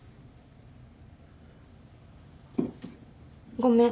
ごめん。